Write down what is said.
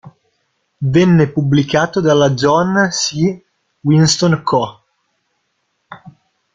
Venne pubblicato dalla John C. Winston Co.